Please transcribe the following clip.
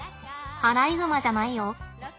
アライグマじゃないよ。